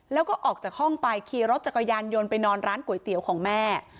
แล้วก็ออกจากห้องไปขี่รถจักรยานยนต์ไปนอนร้านก๋วยเตี๋ยวของแม่